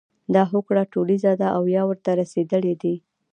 دا هوکړه ټولیزه ده او یا ورته رسیدلي دي.